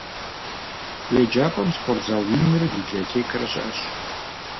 Ди еджапӀэм спортзал инрэ библиотекэрэ щыӀэщ.